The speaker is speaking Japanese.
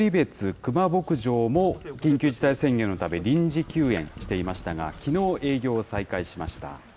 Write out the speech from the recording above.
クマ牧場も、緊急事態宣言のため臨時休園していましたが、きのう、営業を再開しました。